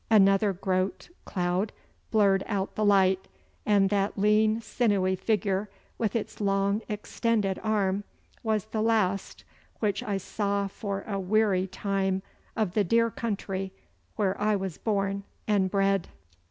Another groat cloud blurred out the light, and that lean sinewy figure with its long extended arm was the last which I saw for a weary time of the dear country where I was born and bred.